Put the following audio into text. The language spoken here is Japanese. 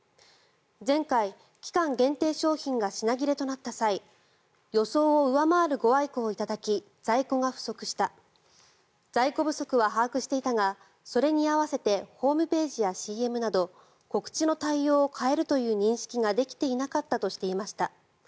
前回、期間限定商品が品切れとなった際予想を上回るご愛顧を頂き在庫が不足した在庫不足は把握していたがそれに合わせてホームページやＣＭなど告知の対応を変えるという認識ができていなかったとしていました。